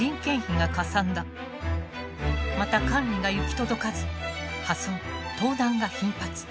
また管理が行き届かず破損盗難が頻発。